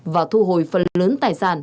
và thu hồi phần lớn tài sản